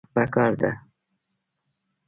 د خاورې معاینه پکار ده.